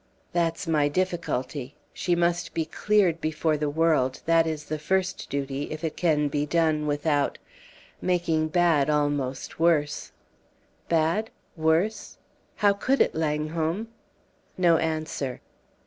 "That's my difficulty. She must be cleared before the world. That is the first duty if it could be done without making bad almost worse!" "Bad worse? How could it, Langholm?" No answer.